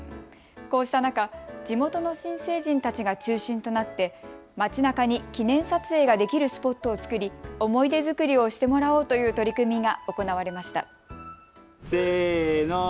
こうした中、地元の新成人たちが中心となって街なかに記念撮影ができるスポットを作り、思い出作りをしてもらおうという取り組みが行われました。